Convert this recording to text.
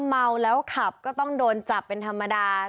เมาแล้วขับก็ต้องโดนจับเป็นธรรมดา